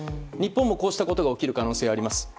日本もこうしたことが起きる可能性があります。